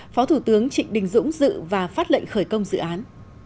phó thủ tướng trịnh đình dũng dự và phát lệnh khởi công dự án